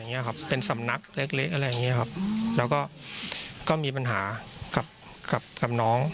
เล็กเล็กอะไรอย่างเงี้ยครับแล้วก็ก็มีปัญหากับกับกับน้อง